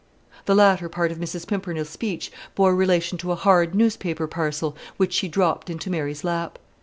The latter part of Mrs. Pimpernel's speech bore relation to a hard newspaper parcel, which she dropped into Mary's lap.